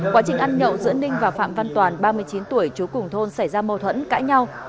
quá trình ăn nhậu giữa ninh và phạm văn toàn ba mươi chín tuổi chú cùng thôn xảy ra mâu thuẫn cãi nhau